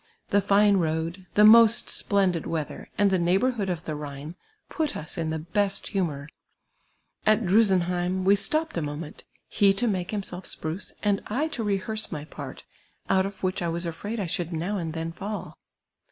The fine road, the most splendid weather, and the neighbourhood of the Khine, put us in the best humour. At Drusenheim we stopped a moment, he to make liimself spruce, and I to re hearse my ]iart, out of which I was afraid I shoidd now and then fall.